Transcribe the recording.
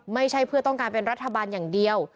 ไม่ใช่เพื่อต้องการเป็นรัฐบาลอย่างเดียว